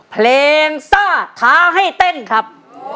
ซ่าท้าให้เต้นครับ